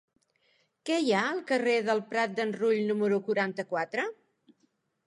Què hi ha al carrer del Prat d'en Rull número quaranta-quatre?